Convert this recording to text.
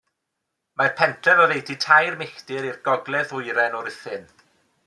Mae'r pentref oddeutu tair milltir i'r gogledd-ddwyrain o Ruthun.